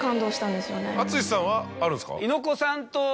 淳さんはあるんですか？